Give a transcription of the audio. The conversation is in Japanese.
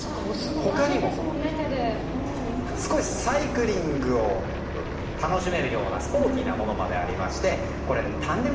他にも、少しサイクリングを楽しめるようなスポーティーなものまでありましてタンデム